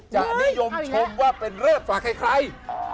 จะนิยมชมว่าเป็นเลขฝากใคร